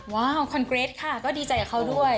ว้าวคอนเกรทค่ะก็ดีใจกับเขาด้วย